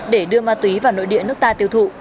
để đưa ma túy vào nội địa nước ta tiêu thụ